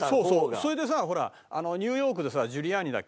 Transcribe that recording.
それでさほらニューヨークでさジュリアーニだっけ？